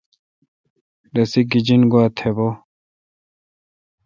رسی گیجنگوا تھ بھو۔